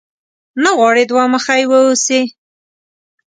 نه غواړې دوه مخی واوسې؟